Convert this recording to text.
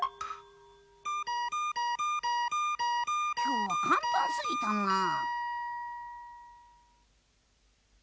きょうはかんたんすぎたなぁ。